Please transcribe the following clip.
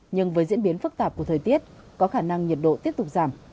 nhưng với diễn biến phức tạp của thời tiết có khả năng nhiệt độ tiếp tục giảm